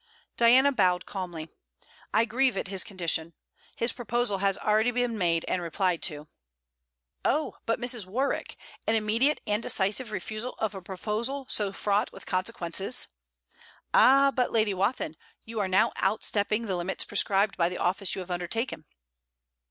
Diana bowed calmly. 'I grieve at his condition. His proposal has already been made and replied to.' 'Oh, but, Mrs. Warwick, an immediate and decisive refusal of a proposal so fraught with consequences...!' 'Ah, but, Lady Wathin, you are now outstepping the limits prescribed by the office you have undertaken.'